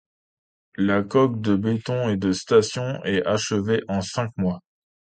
La coque de béton de la station est achevée en cinq mois.